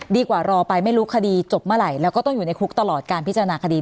รอไปไม่รู้คดีจบเมื่อไหร่แล้วก็ต้องอยู่ในคุกตลอดการพิจารณาคดี